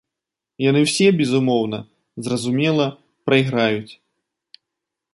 І яны ўсе безумоўна, зразумела, прайграюць.